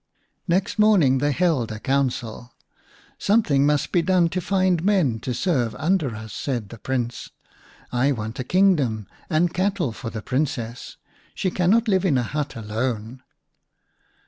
Next morning they held a council. " Some thing must be done to find men to serve under us," said the Prince. " I want a kingdom and cattle for the Princess ; she cannot live in a hut alone."